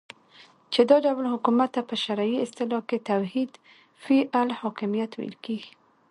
چی دا ډول حکومت ته په شرعی اصطلاح کی توحید فی الحاکمیت ویل کیږی